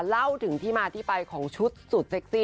เล่าถึงที่มาที่ไปของชุดสุดเซ็กซี่